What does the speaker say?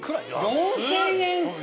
４，０００円！？